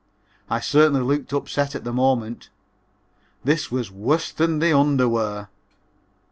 I certainly looked upset at the moment. This was worse than the underwear.